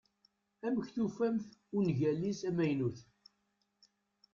Amek tufamt ungal-is amaynut?